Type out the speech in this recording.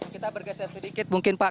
kita bergeser sedikit mungkin pak